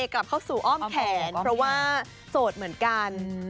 กลับเข้าสู่อ้อมแขนเพราะว่าโสดเหมือนกัน